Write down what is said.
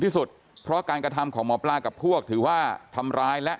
ที่สุดเพราะการกระทำของหมอปลากับพวกถือว่าทำร้ายและ